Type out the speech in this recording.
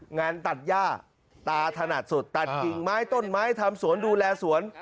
งานตัดย่าตาถนัดสุดตัดกิ่งไม้ต้นไม้ทำสวนดูแลสวน